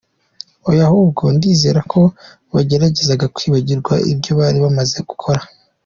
Oya ahubwo ndizera ko bageragezaga kwibagirwa ibyo bari bamaze gukora.